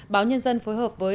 báo nhân dân phối hợp với